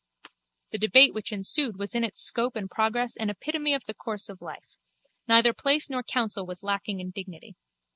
The debate which ensued was in its scope and progress an epitome of the course of life. Neither place nor council was lacking in dignity.